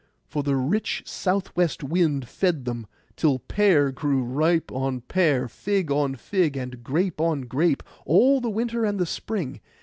For the rich south west wind fed them, till pear grew ripe on pear, fig on fig, and grape on grape, all the winter and the spring.